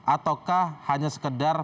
ataukah hanya sekedar